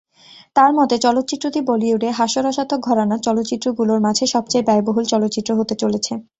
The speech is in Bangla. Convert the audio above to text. তাঁর মতে, চলচ্চিত্রটি বলিউডে হাস্যরসাত্মক ঘরানার চলচ্চিত্রগুলোর মাঝে সবচেয়ে ব্যয়বহুল চলচ্চিত্র হতে চলেছে।